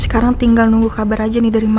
sekarang tinggal nunggu kabar aja nih dari mana